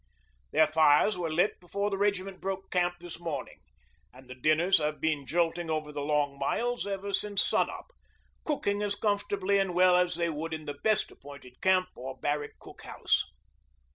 Their fires were lit before the regiment broke camp this morning, and the dinners have been jolting over the long miles since sun up, cooking as comfortably and well as they would in the best appointed camp or barrack cook house.